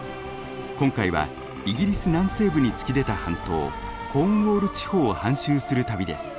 今回はイギリス南西部に突き出た半島コーンウォール地方を半周する旅です。